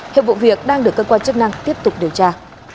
hiệp vụ việc đang được cơ quan chức năng tiếp tục điều tra